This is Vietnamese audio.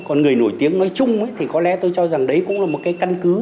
còn người nổi tiếng nói chung thì có lẽ tôi cho rằng đấy cũng là một cái căn cứ